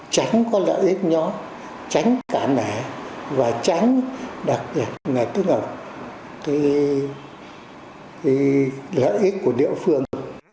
tránh có lợi ích nhỏ tránh cả nẻ và tránh đặc biệt là tương ứng lợi ích của địa phương